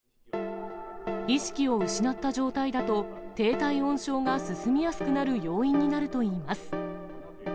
意識を失った状態だと、低体温症が進みやすくなる要因になるといいます。